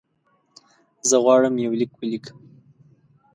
زه غواړم یو لیک ولیکم.